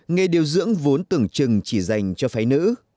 nghề điều dưỡng vốn tưởng chừng chỉ dành cho phái nữ